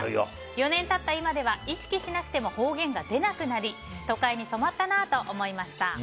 ４年経った今では意識しなくても方言が出なくなり都会に染まったなと思いました。